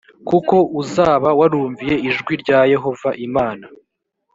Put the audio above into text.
kuko uzaba warumviye ijwi rya yehova imana